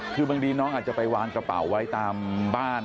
คือบางทีน้องอาจจะไปวางกระเป๋าไว้ตามบ้าน